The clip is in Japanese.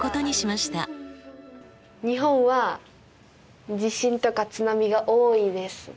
日本は地震とか津波が多いです。